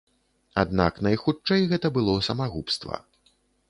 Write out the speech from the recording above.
Аднак найхутчэй гэта было самагубства.